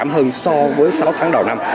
hơn so với sáu tháng đầu năm